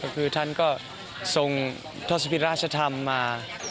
คือท่านก็ทรงทศพิราชธรรมมา